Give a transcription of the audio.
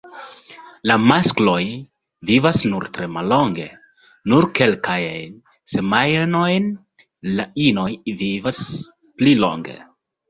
La maskloj vivas nur tre mallonge, nur kelkajn semajnojn, la inoj vivas pli longe.